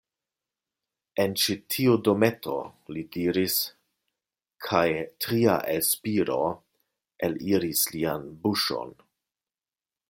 En ĉi tiu dometo, li diris, kaj tria elspiro eliris lian buŝon.